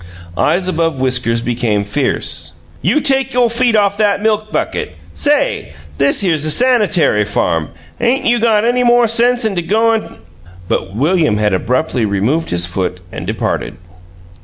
Eyes above whiskers became fierce. "You take your feet off that milk bucket. Say! This here's a sanitary farm. 'Ain't you got any more sense 'n to go an' " But William had abruptly removed his foot and departed.